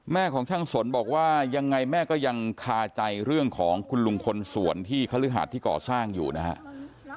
ของช่างสนบอกว่ายังไงแม่ก็ยังคาใจเรื่องของคุณลุงคนสวนที่คฤหาสที่ก่อสร้างอยู่นะครับ